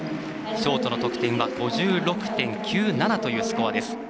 ショートの得点は５６．９７というスコアです。